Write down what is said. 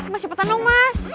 mas cepetan dong mas